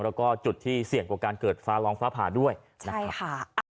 แล้วก็จุดที่เสี่ยงกว่าการเกิดฟ้าร้องฟ้าผ่าด้วยนะครับ